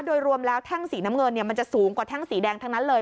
โดยรวมแล้วแท่งสีน้ำเงินมันจะสูงกว่าแท่งสีแดงทั้งนั้นเลย